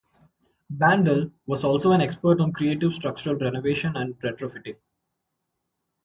Bandel was also an expert on creative structural renovation and retrofitting.